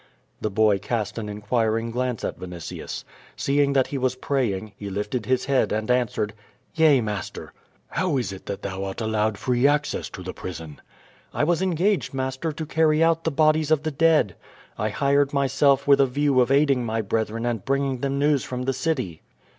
The boy cast an inquiring glance at Vinitius. Seeing that he was praying he lifted his head and answered: ^*Yea, master." ^How is it that thou art allowed free access to the prison?" 1 was engaged, master, to carrj" out the bodies of the dead. I hired myself with a view of aiding my brethren and bring ing them news from the city."